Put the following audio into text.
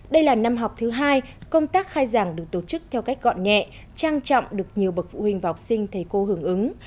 đây là năm học thứ hai công tác khai giảng được tổ chức theo cách gọn nhẹ trang trọng được nhiều bậc phụ huynh và học sinh thầy cô hưởng ứng